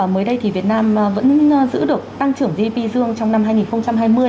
mới đây thì việt nam vẫn giữ được tăng trưởng gdp dương trong năm hai nghìn hai mươi